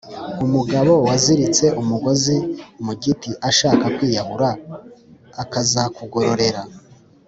Umugabo waziritse umugozi mu giti ashaka kwiyahura akazakugororera